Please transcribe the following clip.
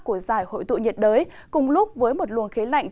của giải hội tụ nhiệt đới cùng lúc với một luồng khí lạnh